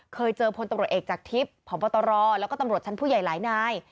เคยเจอพลตำรวจเอกจากทิพย์พบตรแล้วก็ตำรวจชั้นผู้ใหญ่หลายนาย